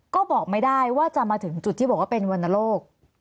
ก็บอกไม่ได้ว่าจะมาถึงจุดที่บอกว่าเป็นวรรณโรค